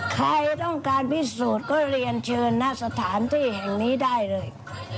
ใครต้องการพิสูจน์ก็เรียนเชิญหน้าสถานที่แห่งนี้ได้เลย